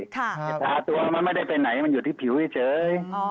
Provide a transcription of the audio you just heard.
ปิดตาตัวมันไม่ได้ไปไหนมันอยู่ที่ผิวเฉย